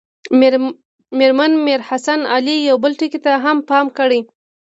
مېرمن میر حسن علي یو بل ټکي ته هم پام کړی.